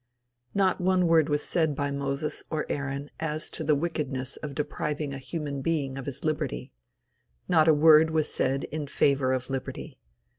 Not one word was said by Moses or Aaron as to the wickedness of depriving a human being of his liberty. Not a word was said in favor of liberty.